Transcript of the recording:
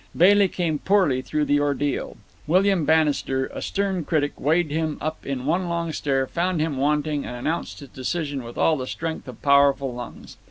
Bailey came poorly through the ordeal. William Bannister, a stern critic, weighed him up in one long stare, found him wanting, and announced his decision with all the strength of powerful lungs.